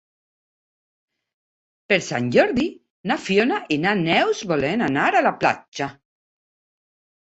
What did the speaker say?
Per Sant Jordi na Fiona i na Neus volen anar a la platja.